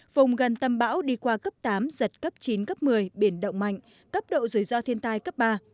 vùng gần tâm bão đi qua cấp tám giật cấp chín cấp một mươi biển động mạnh cấp độ rủi ro thiên tai cấp ba